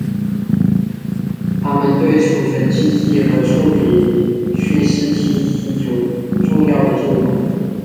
它们对储存记忆和处理陈述性记忆有重要的作用。